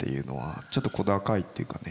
ちょっと小高いっていうかね